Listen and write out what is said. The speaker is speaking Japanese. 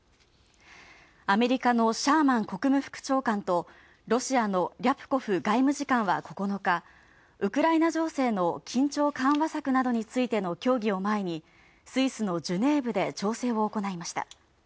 アメリカのシャーマン国務副長官とロシアのリャプコフ外務次官は９日、ウクライナ情勢の緊張緩和策などについての協議を前にスイスのジュネーブで調整を行いました。